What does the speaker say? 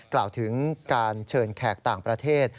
กล่าวถึงการเชิญแขกต่างประเทศ